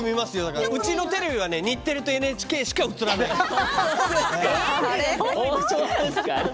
うちのテレビは日テレとＮＨＫしか映らないんです。